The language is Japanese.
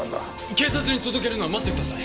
警察に届けるのは待ってください。